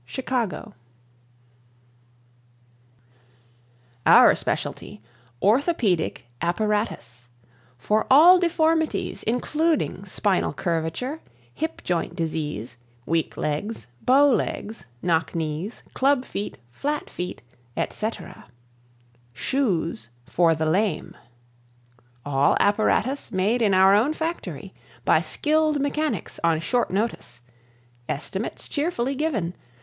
Chicago OUR SPECIALTY Orthopedic Apparatus For all deformities including spinal curvature, hip joint disease, weak legs, bow legs, knock knees, club feet, flat feet, etc. Shoes for the Lame All apparatus made in our own factory. By skilled mechanics on short notice. Estimates cheerfully given.